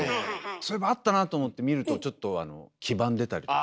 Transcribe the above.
そういえばあったなと思って見るとちょっとあの黄ばんでたりとか。